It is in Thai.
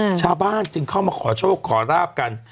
ชาวบ้านจึงเข้ามาขอโชคขอราบกัน